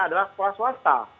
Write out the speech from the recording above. adalah sekolah swasta